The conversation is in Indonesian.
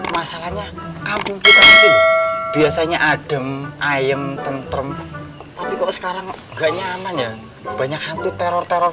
masalahnya biasanya adem ayem tentereng tapi kok sekarang enggak nyaman ya banyak hantu teror teror